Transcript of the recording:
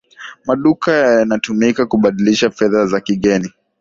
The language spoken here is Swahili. maduka yanatumika kubadilisha fedha za kigeni